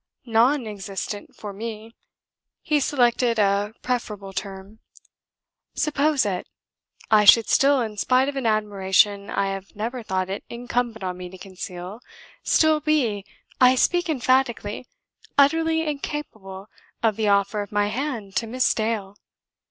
"Non existent for me," he selected a preferable term. "Suppose it; I should still, in spite of an admiration I have never thought it incumbent on me to conceal, still be I speak emphatically utterly incapable of the offer of my hand to Miss Dale.